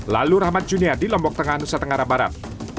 lalu rahmat junia di lombok tengah nusa tenggara barat